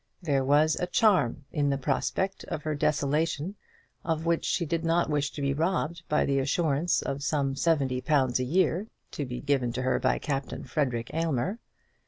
There was a charm in the prospect of her desolation of which she did not wish to be robbed by the assurance of some seventy pounds a year, to be given to her by Captain Frederic Aylmer.